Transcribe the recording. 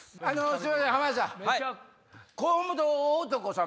すいません浜田さん。